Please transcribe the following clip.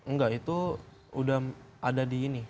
enggak itu udah ada di ini